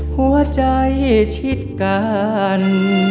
หัวใจชิดกัน